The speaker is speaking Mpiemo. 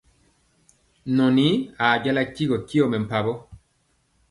Nɔn ajala tigɔ tyɔ mɛmpawɔ.